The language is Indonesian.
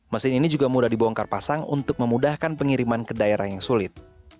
mesin ini juga mudah dibongkar pasang untuk memudahkan pengiriman ke daerah yang sulit